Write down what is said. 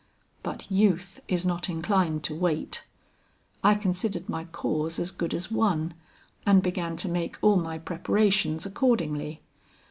"But youth is not inclined to wait. I considered my cause as good as won, and began to make all my preparations accordingly.